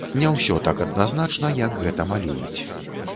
Не ўсё так адназначна, як гэта малююць.